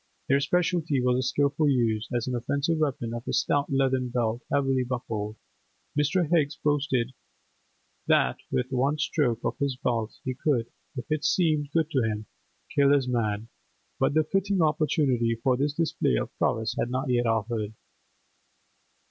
Their speciality was the skilful use, as an offensive weapon, of a stout leathern belt heavily buckled; Mr. Higgs boasted that with one stroke of his belt he could, if it seemed good to him, kill his man, but the fitting opportunity for this display of prowess had not yet offered.